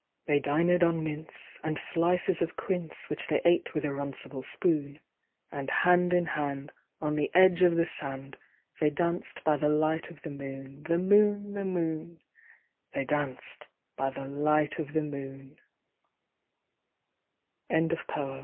They dinèd on mince, and slices of quince, Which they ate with a runcible spoon; And hand in hand, on the edge of the sand, They danced by the light of the moon, The moon, The moon, They danced by the light of the